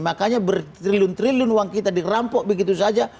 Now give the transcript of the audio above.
makanya bertriun triliun uang kita dirampok begitu saja